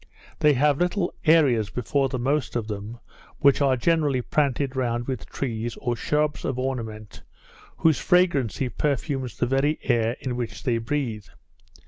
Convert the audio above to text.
They have little areas before the most of them, which are generally planted round with trees, or shrubs of ornament, whose fragrancy perfumes the very air in which they breathe.